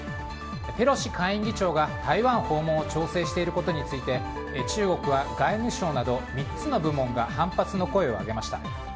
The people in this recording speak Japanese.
ペロシ下院議長が台湾訪問を調整していることについて中国は外務省など３つの部門が反発の声を上げました。